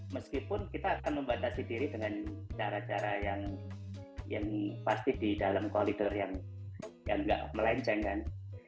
meskipun kita akan membatasi diri dengan cara cara yang pasti di dalam koridor yang nggak melenceng kan